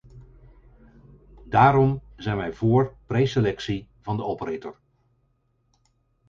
Daarom zijn wij voor preselectie van de operator.